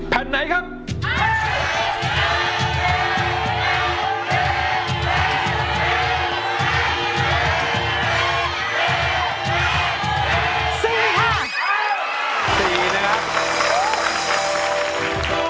แผ่นไหนครับ